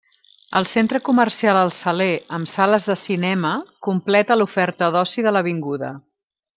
El centre comercial El Saler amb sales de cinema completa l'oferta d'oci de l'avinguda.